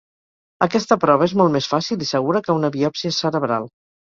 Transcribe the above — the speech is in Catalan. Aquesta prova és molt més fàcil i segura que una biòpsia cerebral.